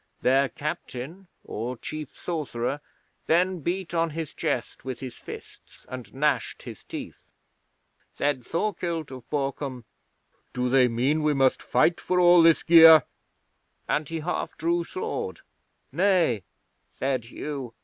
Their captain or chief sorcerer then beat on his chest with his fists, and gnashed his teeth. 'Said Thorkild of Borkum: "Do they mean we must fight for all this gear?" and he half drew sword. '"Nay," said Hugh.